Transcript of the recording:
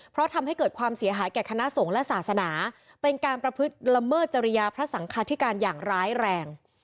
เพราะทำให้เกิดความเสียหายแก่คณะสงฆ์และศาสนาเป็นการประพฤติละเมิดจริยาพระสังคาธิการอย่างร้ายแรง